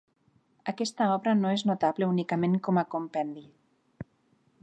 Aquesta obra no és notable únicament com a compendi.